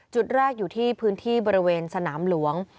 จุดแรกอยู่ที่พื้นที่บริเวณสนามหลวง